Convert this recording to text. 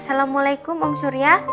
assalamualaikum om surya